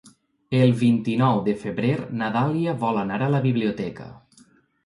El vint-i-nou de febrer na Dàlia vol anar a la biblioteca.